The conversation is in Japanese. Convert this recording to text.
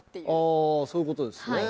ああそういう事ですね。